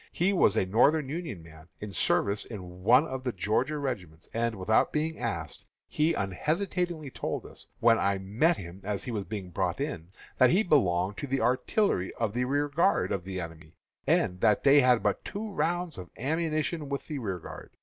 He was a Northern Union man, in service in one of the Georgia regiments; and, without being asked, he unhesitatingly told me, when I met him as he was being brought in, that he belonged to the artillery of the rearguard of the enemy, and that they had but two rounds of ammunition with the rearguard.